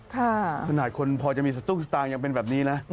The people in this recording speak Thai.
ขนาดคนพอจะมีสตุ้งสตางค์ยังเป็นแบบนี้นะ